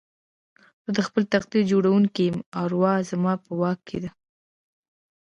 زه د خپل تقدير جوړوونکی يم او اروا زما په واک کې ده.